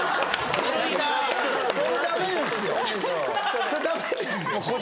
それダメですよ